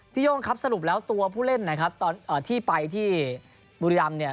โย่งครับสรุปแล้วตัวผู้เล่นนะครับตอนที่ไปที่บุรีรำเนี่ย